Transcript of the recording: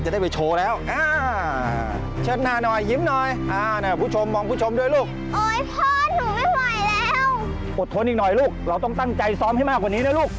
อดทนอีกหน่อยลูกเราต้องตั้งใจซ้อมให้มากกว่านี้นะลูก